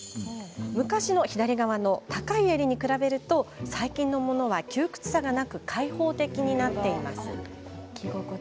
昔の左側の高い襟に比べると最近のものは窮屈さがなく開放的になっています。